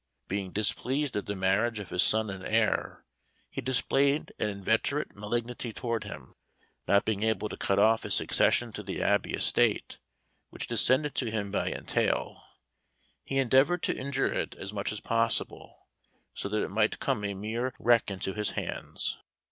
Being displeased at the marriage of his son and heir, he displayed an inveterate malignity toward him. Not being able to cut off his succession to the Abbey estate, which descended to him by entail, he endeavored to injure it as much as possible, so that it might come a mere wreck into his hands.